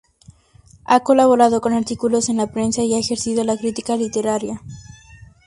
Ha colaborado con artículos en la prensa y ha ejercido la crítica literaria.